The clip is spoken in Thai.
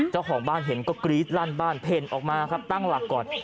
เจ้าของบ้านเห็นก็กรี๊ดลั่นบ้านเพ่นออกมาครับตั้งหลักก่อน